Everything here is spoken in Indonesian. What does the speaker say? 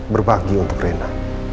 berbagi untuk rena